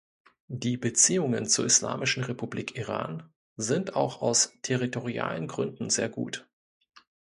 Die Beziehungen zur Islamischen Republik Iran sind auch aus territorialen Gründen sehr gut.